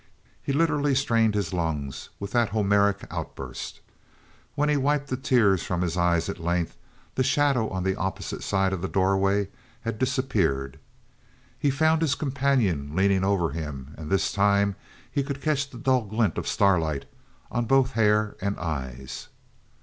He literally strained his lungs with that Homeric outburst. When he wiped the tears from his eyes, at length, the shadow on the opposite side of the doorway had disappeared. He found his companion leaning over him, and this time he could catch the dull glint of starlight on both hair and eyes.